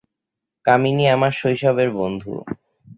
কামিনী আমার শৈশবের বন্ধু।